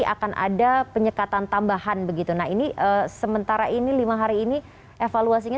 pak rudi ada empat ratus tujuh posko penyekatan yang diperlukan untuk penurunan kasus harian di dalam tahun ini